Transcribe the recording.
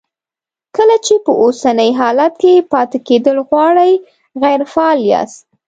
کله چې په اوسني حالت کې پاتې کېدل غواړئ غیر فعال یاست.